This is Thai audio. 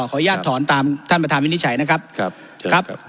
ขออนุญาตถอนตามท่านประธานวินิจฉัยนะครับครับเชิญครับครับ